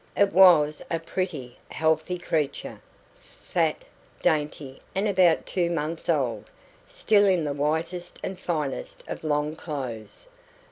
It was a pretty, healthy creature, fat, dainty and about two months old, still in the whitest and finest of long clothes.